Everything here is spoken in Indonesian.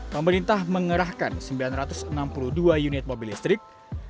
pemerintah mengerahkan sembilan ratus enam puluh dua unit mobil listrik